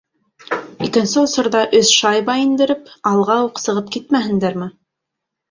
Икенсе осорҙа өс шайба индереп, алға уҡ сығып китмәһендәрме.